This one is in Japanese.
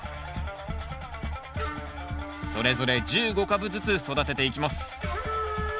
それぞれ１５株ずつ育てていきます